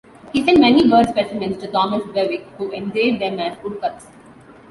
He sent many bird specimens to Thomas Bewick who engraved them as woodcuts.